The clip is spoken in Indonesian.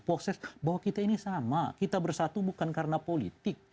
proses bahwa kita ini sama kita bersatu bukan karena politik